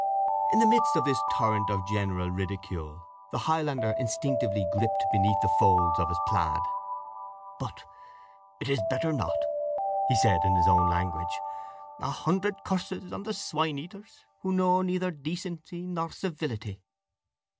In the midst of this torrent of general ridicule, the Highlander instinctively griped beneath the folds of his plaid. "But it's better not," he said in his own language. "A hundred curses on the swine eaters, who know neither decency nor civility!"